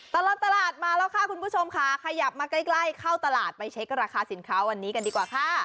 ตลอดตลาดมาแล้วค่ะคุณผู้ชมค่ะขยับมาใกล้เข้าตลาดไปเช็คราคาสินค้าวันนี้กันดีกว่าค่ะ